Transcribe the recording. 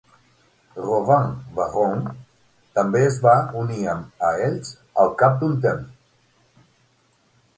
Rovin va Roon també es va unir a ells al cap d'un temps.